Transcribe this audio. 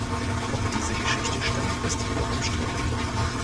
Ob diese Geschichte stimmt, ist jedoch umstritten.